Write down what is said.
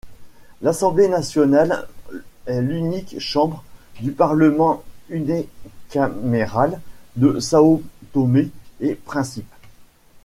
L'Assemblée nationale est l'unique chambre du parlement unicaméral de Sao Tomé-et-Principe.